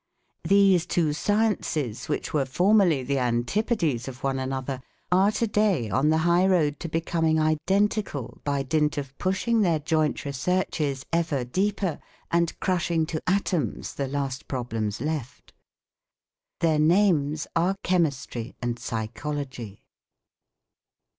These two sciences which were formerly the antipodes of one another, are to day on the high road to becoming identical by dint of pushing their joint researches ever deeper and crushing to atoms the last problems left. Their names are chemistry and psychology.